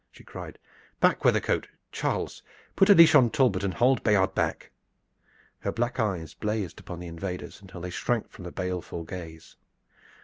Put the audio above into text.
she cried. "Back, Weathercote Charles, put a leash on Talbot, and hold Bayard back!" Her black eyes blazed upon the invaders until they shrank from that baleful gaze.